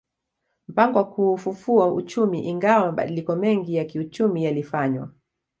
Mpango wa kuufufua uchumi Ingawa mabadiliko mengi ya kiuchumi yalifanywa